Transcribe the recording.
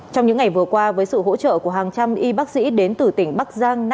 trong những ngày vừa qua với sự hỗ trợ của hàng trăm y bác sĩ đến từ tỉnh bắc giang